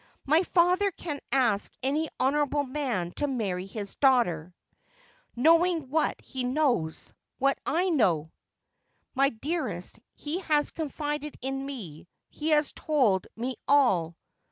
' My father can ask any honourable man to marry bis daughter — knowing what he knows — what I know '' My clearest, he has confided in me — he has told me all.'